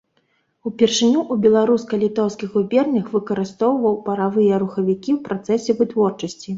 Упершыню ў беларуска-літоўскіх губернях выкарыстоўваў паравыя рухавікі ў працэсе вытворчасці.